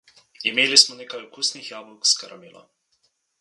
Imeli smo nekaj okusnih jabolk s karamelo.